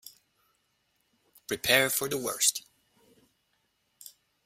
Prepare for the worst!